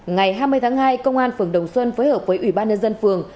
ngày hai mươi tháng hai công an phường đồng xuân phối hợp với ủy ban nhân dân phường